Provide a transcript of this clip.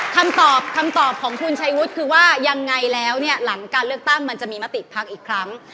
คำตอบคำตอบของคุณชัยวุฒิคือว่ายังไงแล้วเนี่ยหลังการเลือกตั้งมันจะมีมติพักอีกครั้ง